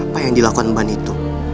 apa yang dilakukan ban itu